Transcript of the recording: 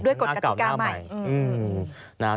ด้วยกฎกติกาใหม่